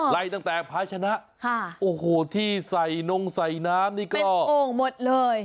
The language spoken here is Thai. อ๋อไล่ตั้งแต่พลายชนะค่ะโอ้โหที่ใส่นมใส่น้ำนี่ก็เป็นโอ่งหมดเลย